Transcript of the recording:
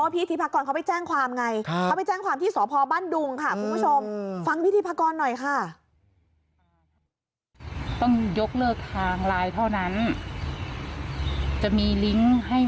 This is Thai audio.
เพราะว่าพี่ทิพพากรเขาไปแจ้งความไง